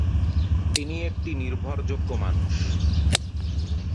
তিনি একটি নির্ভরযোগ্য মানুষ।